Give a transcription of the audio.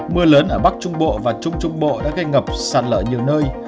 mưa lớn ở bắc trung bộ và trung trung bộ đã gây ngập sạt lở nhiều nơi